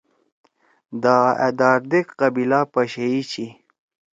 دا أ دادیک قبیلہ پشیئی چھی۔